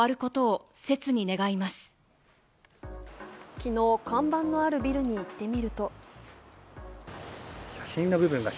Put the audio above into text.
昨日、看板のあるビルに行ってみると。